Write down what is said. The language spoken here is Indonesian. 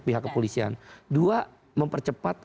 pihak kepolisian dua mempercepat